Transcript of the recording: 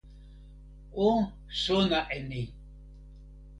o sona e ni!